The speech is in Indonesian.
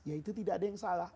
ya itu tidak ada yang salah